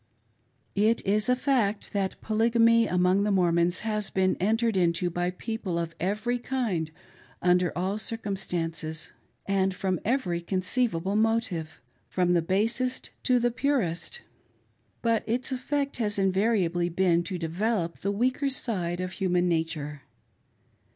It is a fact that Polygamy among the Mormons has been entered into by people of every kind, under all circumstances, and from every conceivable motive — from the basest to the purest. But its effect has invariably been to develope the weaker side of human nature.